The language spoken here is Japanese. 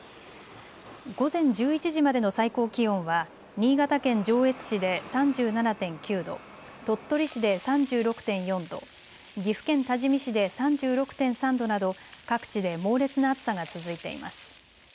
午前１１時までの最高気温は新潟県上越市で３７．９度、鳥取市で３６．４度、岐阜県多治見市で３６．３度など各地で猛烈な暑さが続いています。